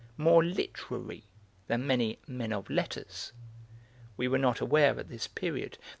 More 'literary' than many 'men of letters' (we were not aware at this period that M.